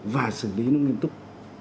và xử lý nó nghiêm túc